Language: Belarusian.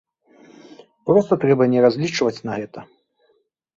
Проста трэба не разлічваць на гэта.